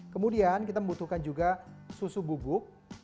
kemudian kita membutuhkan juga susu bubuk